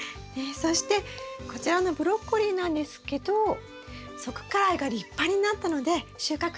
そしてこちらのブロッコリーなんですけど側花蕾が立派になったので収穫しました。